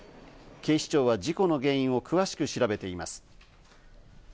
警視庁は事故の原因を詳しく知らべています。